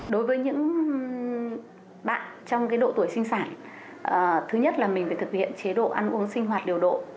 đối với những bạn trong độ tuổi sinh sản thứ nhất là mình phải thực hiện chế độ ăn uống sinh hoạt điều độ